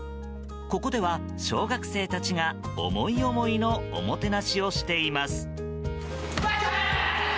ここでは小学生たちが思い思いのおもてなしをしています。